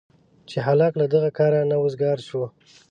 چې هلک له دغه کاره نه وزګار شو.